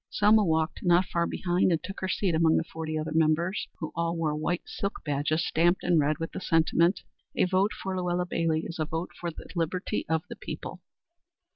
Selma walked not far behind and took her seat among the forty other members, who all wore white silk badges stamped in red with the sentiment "A vote for Luella Bailey is a vote for the liberty of the people."